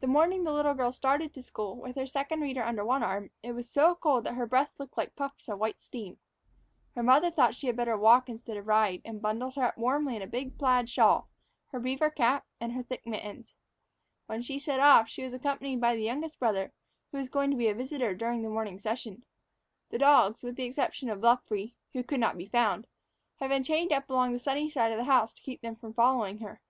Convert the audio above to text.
The morning the little girl started to school, with her Second Reader under one arm, it was so cold that her breath looked like puffs of white steam. Her mother thought she had better walk instead of ride, and bundled her up warmly in a big plaid shawl, her beaver cap, and her thick mittens. When she set off, she was accompanied by the youngest brother, who was going to be a visitor during the morning session. The dogs, with the exception of Luffree (who could not be found), had been chained up along the sunny side of the house to keep them from following her.